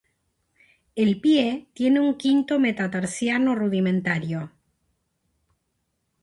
El pie tiene un quinto metatarsiano rudimentario.